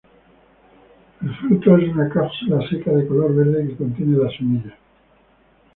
El fruto es una cápsula seca de color verde que contiene las semillas.